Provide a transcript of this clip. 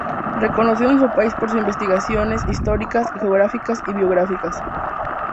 Reconocido en su país por sus investigaciones históricas, geográficas y biográficas.